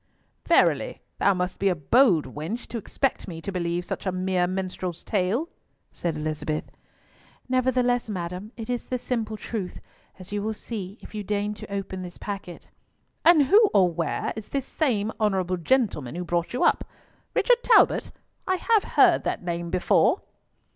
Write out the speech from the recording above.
"Verily, thou must be a bold wench to expect me to believe such a mere minstrel's tale," said Elizabeth. "Nevertheless, madam, it is the simple truth, as you will see if you deign to open this packet." "And who or where is this same honourable gentleman who brought you up—Richard Talbot? I have heard that name before!"